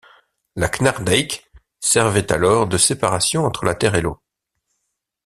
La Knardijk servait alors de séparation entre la terre et l'eau.